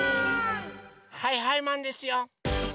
はいはいマンですよ！